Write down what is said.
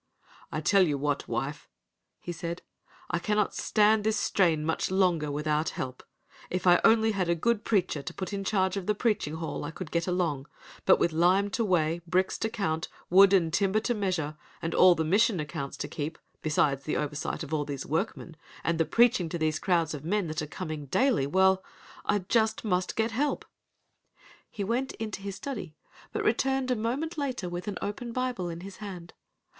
"I tell you what, wife," he said, "I cannot stand this strain much longer without help! If I only had a good preacher to put in charge of the preaching hall, I could get along; but with lime to weigh, bricks to count, wood and timber to measure, and all the Mission accounts to keep, besides the oversight of all these workmen, and the preaching to these crowds of men that are coming daily, well—I just must get help." He went into his study, but returned a moment later with an open Bible in his hand.